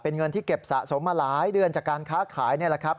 เป็นเงินที่เก็บสะสมมาหลายเดือนจากการค้าขายนี่แหละครับ